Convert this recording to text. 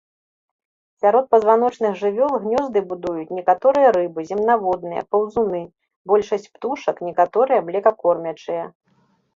Сярод пазваночных жывёл гнёзды будуюць некаторыя рыбы, земнаводныя, паўзуны, большасць птушак, некаторыя млекакормячыя.